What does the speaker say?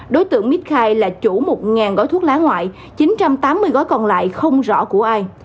đối tượng mít khai là chủ một gói thuốc lá ngoại chín trăm tám mươi gói còn lại không rõ của ai